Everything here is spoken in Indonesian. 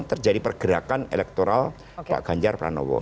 terjadi pergerakan elektoral pak ganjar pranowo